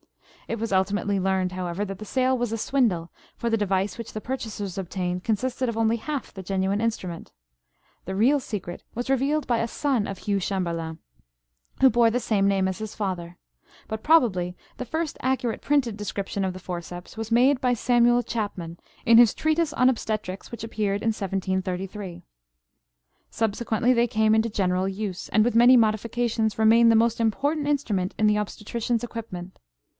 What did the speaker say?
It was ultimately learned, however, that the sale was a swindle, for the device which the purchasers obtained consisted of only half the genuine instrument. The real secret was revealed by a son of Hugh Chamberlen, who bore the same name as his father; but probably the first accurate printed description of the forceps was made by Samuel Chapman, in his treatise on obstetrics which appeared in 1733. Subsequently they came into general use, and, with many modifications, remain the most important instrument in the obstetrician's equipment.